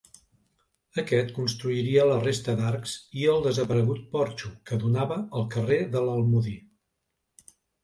Aquest construiria la resta d'arcs i el desaparegut porxo que donava al carrer de l'Almodí.